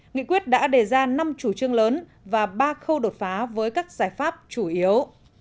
nghị quyết đã đề ra năm chủ trương lớn và ba khâu đột phá với các giải pháp chủ yếu